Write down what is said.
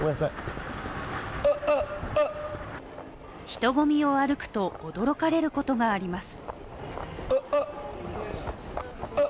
人混みを歩くと驚かれることがあります。